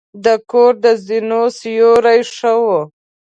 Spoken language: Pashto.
د کور د زینو سیوري ښه وه.